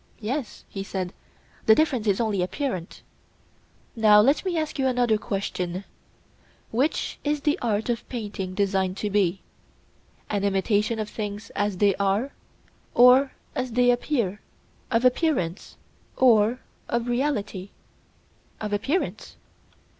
Yes, he said, the difference is only apparent. Now let me ask you another question: Which is the art of painting designed to be—an imitation of things as they are, or as they appear—of appearance or of reality? Of appearance.